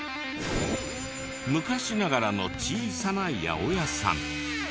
昔ながらの小さな八百屋さん。